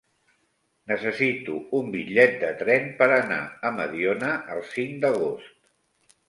Necessito un bitllet de tren per anar a Mediona el cinc d'agost.